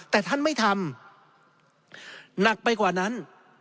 แต่ท่านไม่ทำหนักไปกว่านั้น